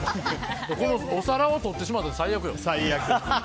お皿を落としてしまったら最悪よ。